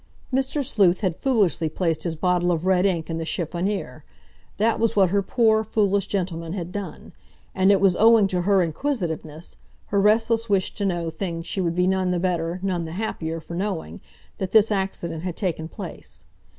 Mr. Sleuth had foolishly placed his bottle of red ink in the chiffonnier—that was what her poor, foolish gentleman had done; and it was owing to her inquisitiveness, her restless wish to know things she would be none the better, none the happier, for knowing, that this accident had taken place.